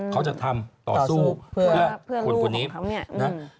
เขาจะทำต่อสู้เพื่อเพื่อนของเขาเนี่ย